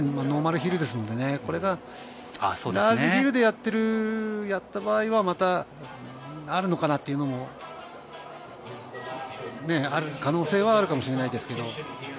ノーマルヒルですんでね、これがラージヒルでやった場合は、あるのかなって、ある可能性はあるかもしれないですけど。